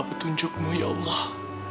betunjukmu ya allah